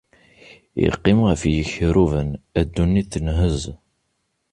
Iqqim ɣef yikerruben, ddunit tenhezz.